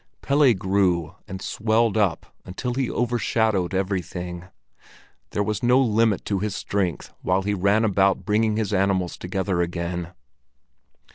Pelle grew and swelled up until he overshadowed everything. There was no limit to his strength while he ran about bringing his animals together again.